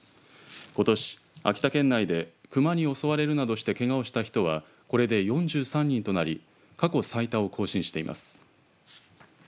ことし秋田県内でクマに襲われるなどしてけがをした人はこれで４３人となり過去最多を更新しています。